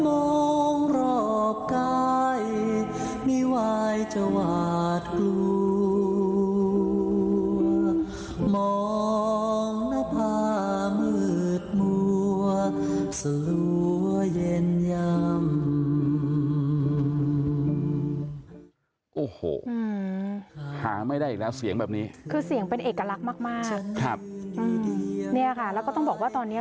โอ้โหหาไม่ได้อีกแล้วเสียงแบบนี้คือเสียงเป็นเอกลักษณ์มากมากครับเนี่ยค่ะแล้วก็ต้องบอกว่าตอนเนี้ย